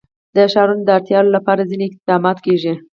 د ښارونو د اړتیاوو لپاره ځینې اقدامات کېږي.